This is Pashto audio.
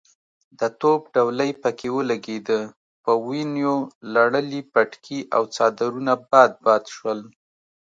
د توپ ډولۍ پکې ولګېده، په ونيو لړلي پټکي او څادرونه باد باد شول.